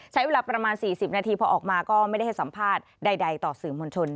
ใช้เวลาประมาณ๔๐นาทีพอออกมาก็ไม่ได้ให้สัมภาษณ์ใดต่อสื่อมวลชน